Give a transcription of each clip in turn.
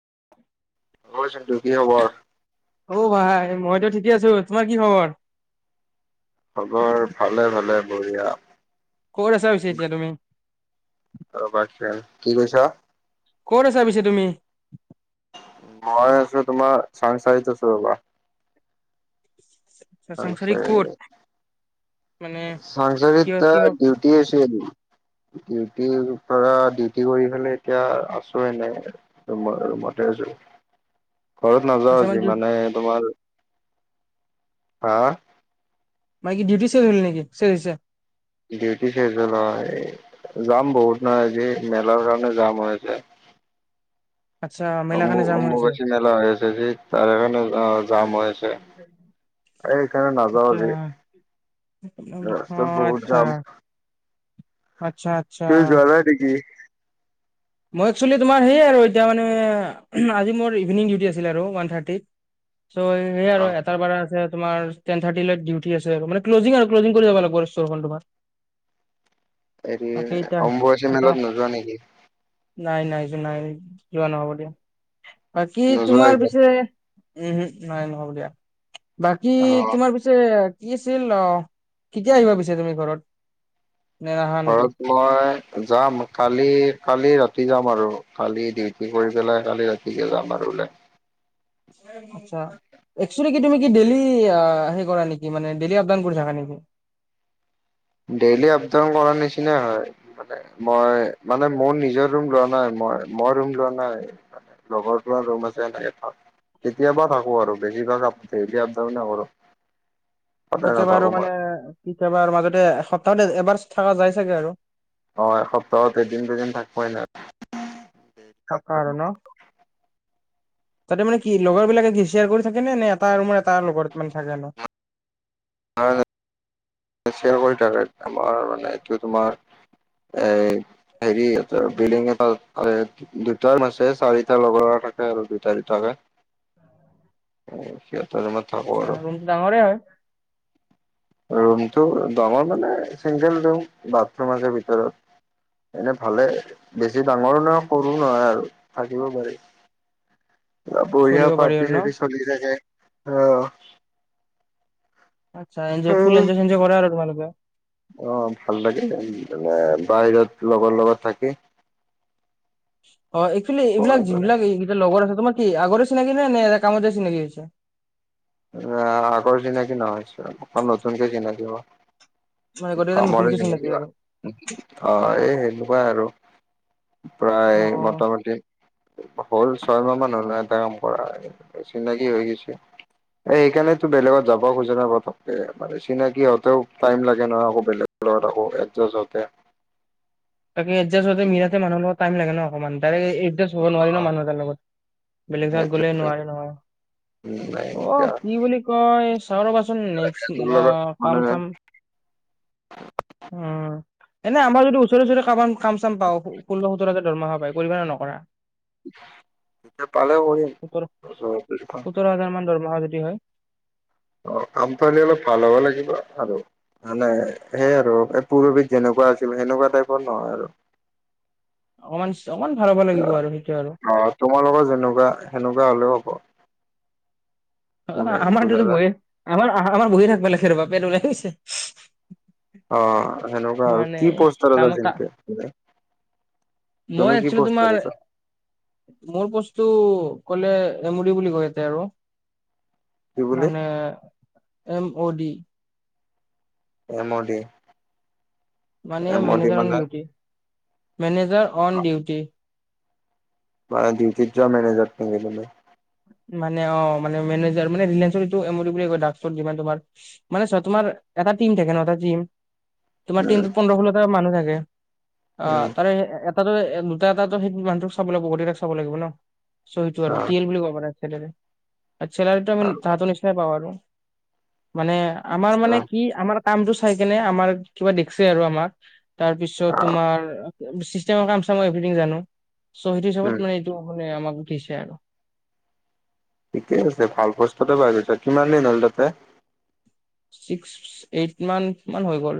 উ [inaudible] ঐ চেণ্টো কি খবৰ? অ ভাই মইতো ঠিকে আছো, তোমাৰ কি খবৰ? খবৰ ভালে ভালে বঢ়িয়া। ক'ত আছা পিছে এতিয়া তুমি? আৰু বাচ্ছা কি কৈছা? ক'ত আছা পিছে তুমি? মই আছো তোমাৰ চাংচাৰত আছো ৰবা। চাংচাৰি আচ্ছা। ক'ত মানে সঞ্চাৰিত কিয় কিয় তাৰ ডিউটি আছে আজি। ডিউটিৰ পৰা ডিউটি কৰি ফালে এতিয়া আছো এনে ৰুম ৰুমতে আছো। [inaudible] ঘৰত নাযাও আজি মানে তোমাৰ হা? মাইকি ডিউটি শেষ হল নেকি শেষ হৈছে। ডিউটি শেষ হল অঁ, এই যাম বহুত নহয় আজি মেলাৰ কাৰণে যাম হৈ আছে। [inaudible] আচ্ছা মেলা অম্বু কাৰণে যাম হৈছে অম্বুবাচী মেলা হৈছে যে, তাৰকাৰণে আহ জাম হৈছে। সেই কাৰণে নাযাওঁ আচ্ছা আজি, অ ৰাস্তা বহুত আচ্ছা জাম। আচ্ছা আচ্ছা তুমি যোৱা নাই নেকি? মই একচুৱেলি তোমাৰ সেয়ে আৰু এতিয়া মানে আজি মোৰ ইভিনিং ডিউটি আছিলে আৰু ওৱান থাৰ্টিত। চ' সেই অ আৰু এটাৰ বাৰ আছে তোমাৰ টেন থাৰ্তী লৈ ডিউটি আছে আৰু মানে ক্লজিং আৰু ক্লজিং কৰি যাব লাগিব আৰু ষ্টৰখন তোমাৰ। হেৰি তাকে এতিয়া অম্বুৱাচী এতিয়া মেলাত নোযোৱা নেকি? নাই নাই নাই যোৱা নহব দিয়া, বাকী নোযোৱা তোমাৰ এইবাৰ? পিছে উম হু নাই নহ'ব দিয়া, বাকী অ। তোমাৰ পিছে কি আছিল অ, কেতিয়া আহিবা পিছে তুমি ঘৰত? নে নাহা নেকি ঘৰত মই যাম কালি কালি ৰাতি যাম আৰু কালি ডিউটি কৰি পেলাই কালি ৰাতিকে যাম আৰু ওলাই। আচ্ছা। একচুলি কি তুমি কি ডেইলি হ কৰা নেকি মান ডেইলি আপ ডাউন কৰি থাকা নেকি? [inaudible] ডেইলি আপডাউন কৰাৰ নিচিনাই হয়, মানে মই মানে মোৰ নিজৰ ৰুম লোৱা নাই ম মই ৰুম লোৱা নাই লগৰ ৰুম আছে এনেকে কেতিয়াবা থাকো আৰু বেছিভাগ আপ ডেইলী আপ ডাউনে কৰো। [inaudible] কেতিয়াবা আৰু মানে, কেতিয়াবাৰ মাজতে সপ্তাহতে এবাৰ থাকা যায় চাগে আৰু। অ এসপ্তাহত এদিন দুদিন থাক পাই ন। তাৰ কাৰণো তাতে মানে কি লগৰ বিলাকে কি শ্বেয়াৰ কৰি থাকে নে নে এটা ৰুমৰ এটা লগৰ মানে থাকে? [inaudible] হয়। শ্বেয়াৰ কৰি থাকে, আমাৰ মানে এইটো তোমাৰ এই হেৰি বি বিল্ডিং এটা দুটা ৰোম আছে, চাৰিটাৰ লগৰ থাকে আৰু দুটা দুটাকে সিহতে ৰোমত থাকো আচ্ছা আৰু ৰুমটো ডাঙৰে হয় ৰুম ত ডাঙৰ মানে চিংগল ৰুম, বাথৰুম আছে ভিতৰত। এনে ভালে, বেছি ডাঙৰো নহয় সৰু নহয় আৰু থাকিব পাৰি। [inaudible] বঢ়িয়া চলিব পাৰি পাৰ্টি আৰু ন চাৰ্টি চলি থাকে আহ। আচ্ছ এঞ্জয় ফুল এন্জয় চঞ্জয় কৰা আৰু তোমালোকে? অ ভাল লাগে [inaudible] বাহিৰত লগৰ লগত থাকি। অ এক্চুৱেলি এইবিলাক যিবিলাক এইকেইটা লগৰ আছে তোমাৰ কি আগৰে চিনাকি ন নাই কামত চিনাকি হৈছা? আগৰ চিনাকি নহয় চ অ নতুনকে চিনাকি হোৱা। মানে গোটেইকেইটা কামৰো নতুনকে চিনাকি আৰু অ এই সেনেকুৱাই আৰু। প্ৰায় অ। মোটামুটি হ'ল ছয়মাহ মান হলে কাম কৰা চিনাকি হৈ গৈছে। এ সেইকাৰণেতো বেলেগত যাব খোজে ন পতককে মানে চিনাকি হতেও টাইম লাগে নহয় আকৌ বেলেগ লগত আকৌ একজাৰ্জ হ‌ওতে তাকে এডজাষ্ট হওঁতে মিলাটে মানুহ লগত টাইম লাগে ন অকণমান, তাৰেই একজাৰ্জ হ'ব নোৱাৰি ন মানুহ এটাৰ লগত বেলেগ যেগাত গ'লে সেইটোৱেটো নোৱাৰি নহয়। নাই অ এতিয়া কি বুলি কয় চাও ৰ'বাচোন নেক্স তোৰ লগত আহ কাম মানে চাম উম। এনে আমাৰ যদি ওচৰে ওচৰে কাম কাম চাম পাও, ষোল্ল সোতৰ হাজাৰ ধৰমহা পায় কৰিবা নে নকৰা? এয়া পালে সোতৰ কৰিম [unintelligible] সোতৰ হাজাৰ মান দৰমহা যদি হয়। কাম পালে অলপ ভাল হ'ব লাগিব আৰু। মানে সেই আৰু এই পুৰবিধ যেনেকুৱা আছিল সেনেকুৱা টাইপৰ নহয় আৰু। [inaudible] অকমান ভাল হ'ব লাগিব আৰু সেইটোৱে আৰু। অ তোমাৰ লগত যেনেকুৱা সেনেকুৱা হলেও হব। অ আমাৰ এইটো হয়ই আমাৰ আহ আমাৰ বহি থাকিব লাগে ৰবা পেট ওলাই গৈছে [unintelligible] [unintelligible] অ সেনেকুৱা আৰু মানে কি পষ্টাৰ কাম কা যেক [unintelligible] মই একচলি তোমাৰ আছা মোৰ বস্তু [unintelligible] ক'লে এমৰি বুলি কয় এতিয়া আৰু কি বুলি মানে M O D [unintelligible] M O D. মানে manager on duty manager on duty. মাৰ ডিউটিত যোৱা মিনেজাৰ ম গি [unintelligible] তই মানে অ মানে মেনেজাৰ মানে ৰিলেঞ্চৰ এইটো এম অ দি বুলিয়ে কয়, যিমান তোমাৰ মানে চোৱা তোমাৰ এটা টিম থাকে ন এটা টিম তোমাৰ উম টিমটোত পোন্ধৰ ষোল্লটা মানুহ থাকে আহ উম তাৰে তাত দুটা এটাতো সেইটো মানুহটোক চাব লাগিব ন, গোটেই কেইটাক চাব লাগিব ন সেইটো আৰু অ ল বুলি ক [unintelligible] চেলাৰিটো আমি তাহতো নিচিনাই পাওঁ আৰু মানে [unintelligible] আমাৰ আচ্ছা মানে কি আমাৰ কামটো চাই কেনে আমাৰ কিবা দেখছে আৰু আমাক তাৰ পিছত অ তোমাৰ চিষ্টেম ৰ কাম মই এভথিং জানো চ সেইটো চবত উম মানে এইটো [unintelligible] ম আমাক ভষে আৰু [unintelligible] ঠিকেই আছে ভাল প্ৰস্তাতে পাই গৈছা কিমান দিন হ'ল তাতে? ছিক্স এইট মান মান হৈ গ'ল।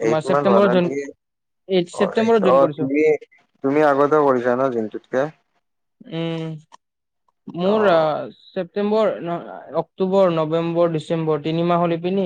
তোমাৰ এইট মান ছেপ্তেম্বৰত জইন [unintelligible] এই অ ছেপ্তেম্বৰত এইটো জইন কৰিছো তুমি তুমি আগতেও কৰিছা ন দিনটোতকে? উম মোৰ অ। চেপটেম্বৰ অক্টোবৰ নৱেম্বৰ ডিচেম্বৰ তিনিমাহ হ'ল এইপিনে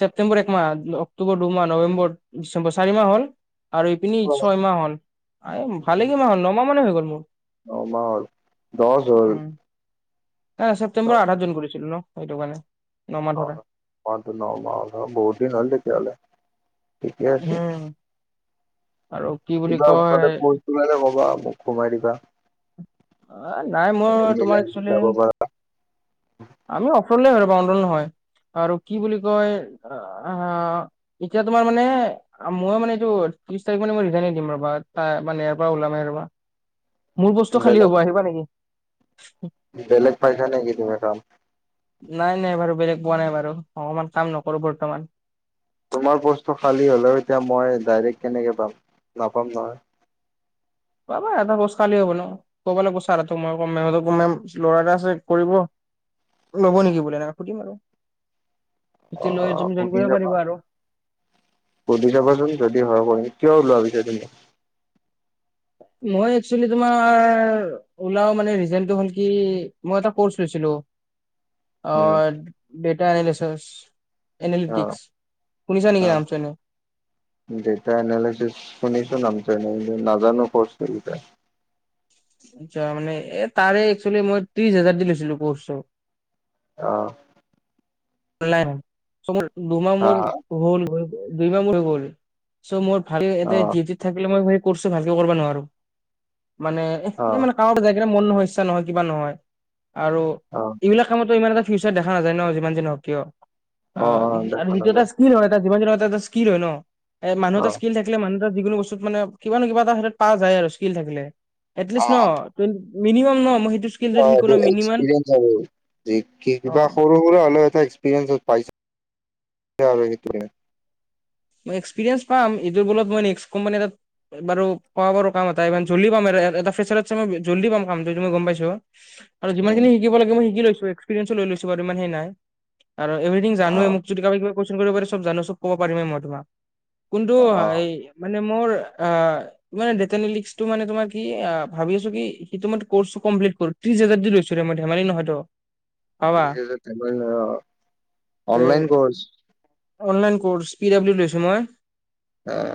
ছেপ্টেম্বৰ একমাহ অক্টোবৰ দুমাহ নৱেম্বৰ ডিচেম্বৰ চাৰি মাহ হ'ল। আৰু ইপিনি ছয়মাহ হল এ ভালেক মাহ হল নমাহ মানে হৈ গ'ল মোৰ। অমাহ হল দহ হ'ল হ ছেপ্তেম্বৰ আধাত জইন কৰিছিলো ন এইটো কাৰণে। নমাহ ধৰা আহ পটো ন ম বহুত দিন হল তেতিয়া হলে। ঠিকে আছে। উম, আৰু কি বুলি কিবা কয় তাতে প্র কিবা মোক সোমাই দিবা অ নাই মই তোমাৰ মিলাই একচলি যাব আমি অণ্ডল হয় [unintelligible] আৰু কি বুলি কয় আহ এতিয়া তোমাৰ মানে মই মানে এইটো ত্ৰিশ তাৰিখ মানে মই ৰিজাইৰ্ণ দিম ৰবা তাৰপৰা ওলামেই ৰবা মোৰ বস্তু পাৰি খালী বেলেগ হ'ব আহিবা নেকি বেলেগ পাইচা নেকি তুমি কাম নাই নাই বাৰু বেলেগ পোৱা নাই বাৰু অকমান কাম নকৰো বৰ্তমান তোমাৰ পষ্টটো খালী হলেও এতিয়া মই ডাইৰেক কেনেকে পাম নাপাম নহয় পাবা এটা পোষ্ট খালী হ'ব ন ক'ব লাগিব ছাৰ হতেক মই কম ল'ৰা এটা আছে কৰিব ল'ব নেকি বোলে এ সুধিম আৰু অ তেতিয়া লৈ তুমি জইন সুধি কৰিব লবা পাৰিবা আৰু সুধি চাবাচোন যদি হয় কৰিম কিয় ওলোৱা পিছে তুমি মই একচলী তোমাৰ ওলাও মানে হল কি মই এটা কৰ্চ লৈছিলো অ উম ডেটা এনালিচছ এনালিটিক অ' শুনিছা নেকি অ' নাম এনেই ডেটা এনালিচিচ শুনিছোন নামটো নাজানো কত কি বিষয়ে যোৱা মানে এ তাৰে এক্সচুৱেলি মই ত্ৰিশ হাজাৰ দি লৈছিলো কৰ্চ আহ নাই মোৰ দুমাহ হা মোৰ হ'ল হৈ দুইমাহ মোৰ হৈ গল চৌ মোৰ ভাল এ অ' থাকিলে মই সি কৰ্চ ভালকে কৰিব নোৱাৰো মানে এ অ' মানে ক জাবা মোৰ সমস্যা নহয় কিবা নহয় আৰু অ' এইবিলাক কামতো ইমান এটা ফিউচাৰ দেখা নাযায় ন যিমান য হওঁক কিয় অ অ' আৰু দেখা সিটো এটা নাযায় ইক্লি হয়। জীমান ৰোদত স্কিল হয় ন মানুহ এটা অ' ইস্ক থাকে মানুহ ক্ষেত্ৰত যিকোনো যোনো বস্তু মানে কিবা কিবা এটা পা যায় আৰু ষ্টস্কি থাকিলে মিনিমাম ন মই সেই হয় এক্সপ্ৰেছ আৰু কিবা অ' সৰু সুৰা হলেও এক্সপ্ৰেছ পাইচা তুলে [unintelligible] মই এক্সপিৰিয়েঞ্চ পাম এইটোৰ বলত মই নেক্সট কোম্পানী এটাত বাৰু কোৱা বাৰু কাম এটা ই জলি পাম আৰু এটা ফেচত মই জল্লদি পাম কামু মই গম পাইছো। আৰু যিমানখিনি উম শিকিব লাগে মই শিকি লৈছো। এক্সপিৰিয়েন লৈ লৈছো ব ইমান সেই নাই আৰু এভেৰিং জানোৱে, অ' মোক যদি কিবা কিবা কোযেচ কৰিব পাৰেিব জানো চব পাৰিমে মই তোমাক কোনটো অ' এই মানে। [unintelligible] ত্ৰিছ হাজাৰ দিছো মই ধেমালি নহয় তো এিছ হাজাৰ ধেমালি নহয় তে online course. Online course, P W লৈছো মই। আহ।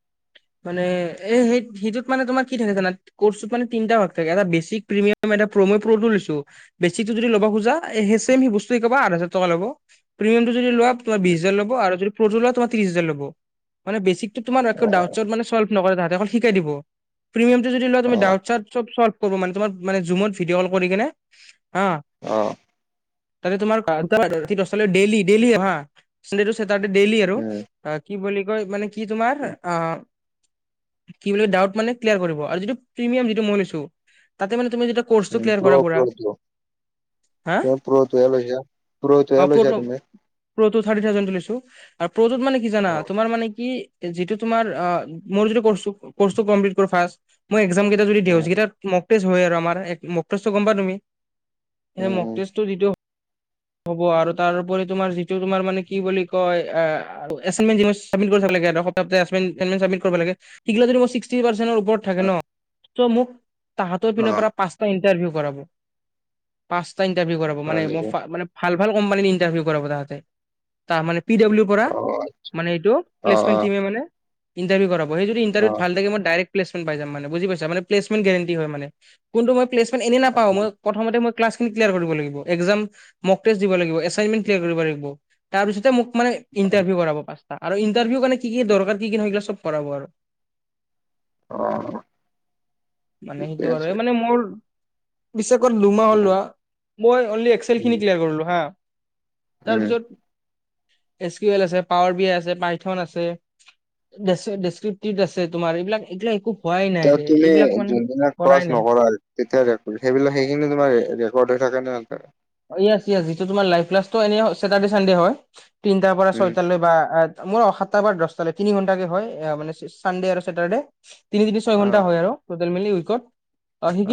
[unintelligible] মানে এ সেই সেইটোত মানে তোমাৰ কি থাকে জানা কৰ্চত মানে তিনিটা ভাগ থাকে, এটা বেচিক প্ৰিমিয়াম এ তো মই প্ৰতো লৈছো বিস্ক লব খোজা এই মেচ একেই বস্তু আঠা। হাজাৰ লৱ প্ৰিয়াম যদি লোৱা তোমাৰ বিশ হাজাৰ ল'ব আৰু যদি প্ৰতোৰ ত্ৰিছ হাজাৰ ল'ব। মানে বেছিক তমল্ অ নকৰে তাহতেকল শিকাই দিব প্ৰিমিয়ামটো যদি লোৱা অ তুমি ডল [unintelligible] [unintelligible] কব মানে তোমাৰ জোমত ভিদিঅ ক কৰি কিনে হা আহ। তাতে তোমাৰেই ডেইলী তাতে ডেইলি আৰু, উম কি বুলি কয়, মানে কি তোমাৰ অ ডাউট মানে ক্লাৰ কৰিব। আৰু যিটো প্ৰিমিয়াম যিটো মই লৈছো। তাতে মানে তুমিটা কৰ্চটো ক্লিয়াৰ কৰা পোৰা তই পো তই লৈ পু [unintelligible] অ এল ছ প্ৰ তুমি প্ৰটো থাৰ্টি থাওজেণ্ডটো লইছো আৰু প্ৰটোত মানে কি জানা, অ তোমাৰ মানে কি যিটো তোমাৰ আ মোৰ যিটো কৰ্ছটো কৰ্ছটো কম্প্লিট ৰখাই মই এক জাম কেইটা যদি দিওঁ উম যিকেইটাত মক টেষ্ট হয় আৰু আমাৰ এক মক টেষ্টো গম পোৱা তুমি? সেই মক উম টেষ্টটো যিটো হ'ব আৰু তাৰওপৰি তোমাৰ যি তোমাৰ মানে কি বুলি কয় এ এচাইনমেণ্ট যিবোৰ চাবমিট কৰি থাকিলে গে এটা সপ্তাহতে এচাইনমেণ্ট এচাইনমেণ্ট চাবমিট কৰিব লাগে। থাকে সিগিলা যদি মই ছিক্সটি পাৰ্চেণ্টৰ ওপৰত থাকেন, ত মোক তাহতৰ অ পিনৰ পৰা পাঁচটা ই টাৰভিউ কৰাব, পাঁচটা ইণ্টাৰভিউ কৰাব হয় মানে মই নেকি ফাঁ মানে ফাঁ ভাল ভাল কোম্পানীত ইণ্টাৰভিউ কৰাব তাহাতে, তাৰ মানে পি ডাব্লিউৰ পৰা, অ মানে এইটো অ প্লেচমেণ্ট অ টিমে মানে ইণ্টাৰভিউ কৰাব। হয়েই যদি অ ইণ্টাৰভিওত ভালে থাকে, মই ডাইৰেক্ট প্লেছমেণ্ট পাই যাম মানে বুজি পাইছ মানে প্লেছমেণ্ট গেৰেণ্টি হয় মানে। কোনটো মই প্লেচমেট এনেই নাপাওঁ মই প্ৰথমতে মই ক্লাছখিনি ক্লিয়াৰ কৰিব লাগিব, একজাম মক টেষ্ট দিব লাগিব, এচাইনমেণ্ট ক্লিয়াৰ কৰিব লাগিব, তাৰপিছতে মোক মানে ইণ্টাৰভিউ কৰাব পাঁচটা আৰু ইন্টাৰভিউ মানে কি কি দৰকাৰ কি কি নহয় এইবিলাক চব কৰাব আৰু। অ মানে ঠিকে সেইটো আৰু আছে এই মানে মোৰ পিছে কত দুমাহ হলোৱা মই অনলি এক্সেল খিনি ক্লিয়াৰ কৰিলো হা উম তাৰপিছত এচ কিউ এল আছে, পাৱাৰ বি আই আছে, পাইথন আছে ডেচ ডেচক্ৰিপ্টিত আছে তোমাৰ এইবিলাক এ একো হোৱাই নাই তেওঁ ৰে তুমি এইবিলাক মানে যোনদিনা ক্লাছ কৰাই নাই নকৰা তেতিয়া ৰে সেইবিলাক সেইখিনি তোমাৰ ৰেকৰ্ড হৈ থাক ানে [unintelligible] অ য়েচ য়েচ যিটো তোমাৰ লাইভ ক্লাছটো এনে চেটাৰ্ডে চানডে হয়। তিনটাৰ পৰা উম ছয়টালৈ বা মোৰ অসা টা বাৰ দচটালৈ তিনি ঘন্টাকে হয় এ মানে চানডে আৰু ছেটাৰডে, তিনি তিনি ছয় অ ঘন্টা হয় আৰু টোটেল মিলি উইকট,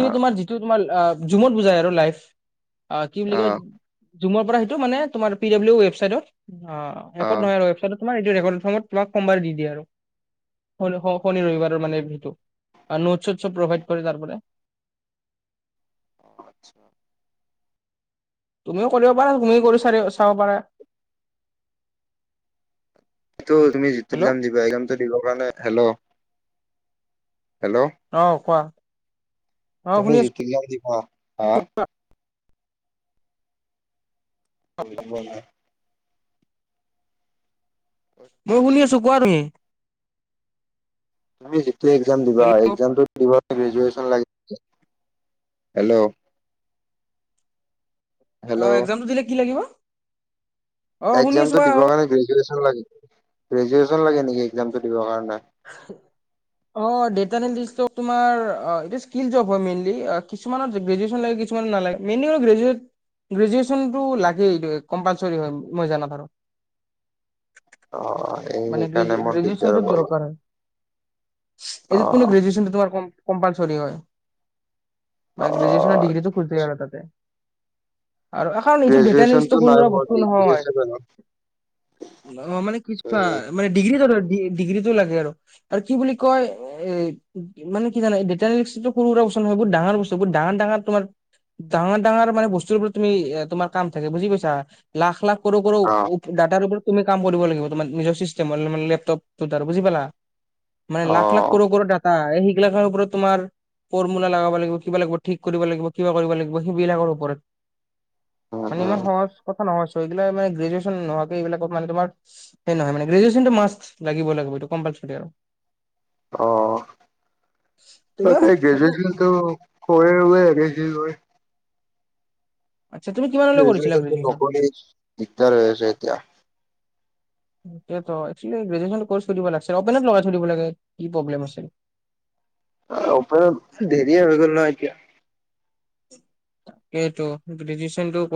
অ তোমাৰ যিটো তোমাৰ আ জুমত বুজাই আৰু লাইফ। অ কি বুলি কয় জুমৰ পৰা সেইটো মানে তোমাৰ পি ডাব্লিউ ৱেবচাইটত অ অ এপত নহয় আৰু ৱেবছাইটত তোমাৰ এইটো ৰেকৰ্ডৰ সময়ত তোমাক সোমবাৰ দি দিয়ে আৰু। শ শনি ৰবিবাৰৰ মানে এই বিটো আৰু নোট চোট চব প্ৰভাইড কৰে তাৰ পৰা। [unintelligible] অ আচ্ছা। তুমিও কৰিব পাৰা তুমি কৰি চাৰি চাব পাৰা। সেইটো তুমি যিটো হেল্ল' একজাম দিবা একজামটো দিবৰ কাৰণে হেল্ল? হেল্ল' অহ কোৱা? অ তুমি শুনি যিটো ইকজাম দিবা হা? ফুৰিব না। মই শুনি আছো কোৱা তুমি? তুমি যিটো একজাম দিবা হেল্ল' একজামটো দিব গ্ৰেজুৱেচন লাগে, হেল্ল'? অ হেল্ল' একজামটো দিলে কি লাগিব? অ শুনি আছো একজামটো কোৱা দিবৰ কাৰণে গ্ৰেজুৱেছন লাগে, গ্ৰেজুৱেচন লাগে নে অ ডেটা নে দিছ তো তোমাৰ আ এইটো ইচ স্কিল জব হয় মেইনলি, কিছুমানত গ্ৰেজুৱেচন লয় কিছুমান নালাগে, মেনুৱেল গ্ৰেজুৱেট গ্ৰেজুৱেচনটো লাগেই কম্পালচৰি হয় মই জানাত আৰু। অ এই মানে সেইকাৰণে গ্ৰেজু মোৰ দিগদাৰ গ্ৰেজুৱেনচনটো হ'ব অলপ দৰকাৰ হয়, অ এইটো কোনো গ্ৰেজুৱেচন তোমাৰ কম কমপালচৰি হয়, অ মানে গ্ৰেজুৱেছনৰ ডিগ্ৰীটো খোজে আৰু তাতে। আৰু এখাৰ নিজৰ গ্ৰেজুৱেচনটো ডেটালিষ্টো কোনো সৰু নাই সুৰা মোৰ বস্তু ডিগ্ৰী নহয় আছে বাৰু মানে কি অ উম মানে ডিগ্ৰীটো ডিগ্ৰীটো লাগে আৰু, আৰু কি বুলি কয় এ মানে কি জানে এই ডেটালিষ্টো সৰু সুৰা চন সেইবোৰ ডাঙৰ বস্তুত ডাঙৰ ডাঙৰ তোমাৰ ডাঙৰ ডাঙৰ মানে বস্তুৰ পৰা তুমি তোমাৰ কাম থাকে বুজি পাইছা, লাখ লাখ সৰু সৰু অ ডাটাৰ ওপৰত তুমি কাম কৰিব লাগিব। তোমাৰ নিজৰ চিষ্টেমৰ মানে লেপটপটো তাৰ বুজি পালা, মানে অ লাখ লাখ কৰল কৰল ডাটা সেইগিলাখ ওপৰত তোমাৰ। ফৰ্মুলা লগাব লাগিব, কিবা লাগিব ঠিক কৰিব লাগিব কিবা কৰিব লাগিব সেইবিলাকৰ ওপৰত। উম মানে উম ইমান সহজ কথা নহয় ছ এইবিলাক মানে গ্ৰেজুৱেচন নোহোৱাকে এইবিলাকত মানে তোমাৰ। সেই নহয় মানে গ্ৰেজুৱেচনটো মাষ্ট লাগিব লাগিব এইটো কম্পালচৰি আৰু। অ তুমি ত ক কোনটো গ্ৰেজুচনটো কৰে কি লৈ। আচ্ছা তুমি কিমানলৈ কৰিছিলা গ্ৰেজুৱেযচনটো গ্ৰেজুৱেচন? নকৰে দিকদৰ হৈ আছে এতিয়া। এ তয় গ্ৰেজুৱেচনটো কলোচ আছে অপেন লগায় থব লাগে, কি প্ৰব্লেম আছে? [unintelligible] অপেনত দেৰি হৈ গ'ল ন এতিয়া। তাকেইটো গেড্ৰেজচন টো